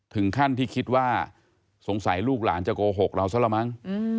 ถึงขั้นที่คิดว่าสงสัยลูกหลานจะโกหกเราซะละมั้ง